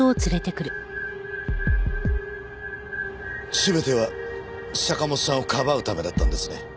全ては坂元さんをかばうためだったんですね。